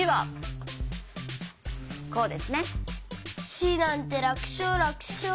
「し」なんてらくしょうらくしょう。